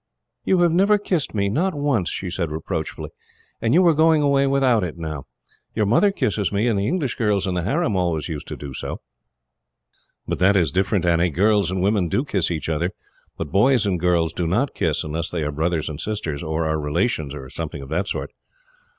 "You have never kissed me, not once," she said reproachfully, "and you were going away without it, now. Your mother kisses me, and the English girls in the harem always used to do so." "But that is different, Annie. Girls and women do kiss each other, but boys and girls do not kiss, unless they are brothers and sisters, or are relations, or something of that sort."